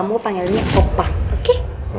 kamu panggilnya opa oke